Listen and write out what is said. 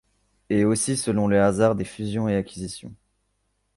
Et aussi selon les hasards des fusions et acquisitions.